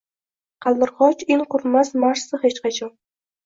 Qaldirgoch in qurmas Marsda hech qachon